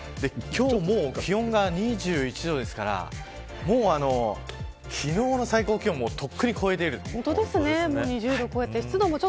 気温が、もう２１度ですから昨日の最高気温をとっくに超えています。